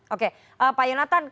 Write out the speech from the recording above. oke pak yonatan